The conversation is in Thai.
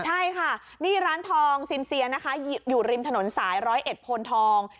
ใช่ค่ะนี่ร้านทองซินเซียนะคะอยู่ริมถนนสายร้อยเอ็ดโพนทอง